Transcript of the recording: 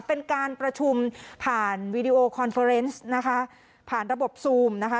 เป็นการประชุมผ่านวีดีโอคอนเฟอร์เนสนะคะผ่านระบบซูมนะคะ